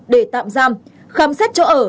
để tạm giam khám xét chỗ ở